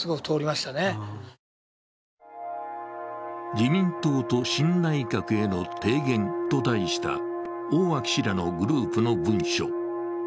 「自民党と新内閣への提言」と題した大脇氏らのグループの文書。